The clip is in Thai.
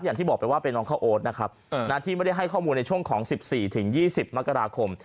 อย่างที่บอกไปว่าเป็นน้องข้าวโอ๊ตนะครับที่ไม่ได้ให้ข้อมูลในช่วงของ๑๔๒๐มกราคม